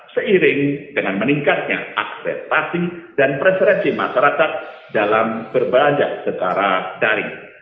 seiring dengan meningkatnya akseptasi dan preferensi masyarakat dalam berbadan secara daring